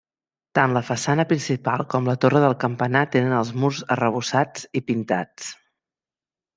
Tant la façana principal com la torre del campanar tenen els murs arrebossats i pintats.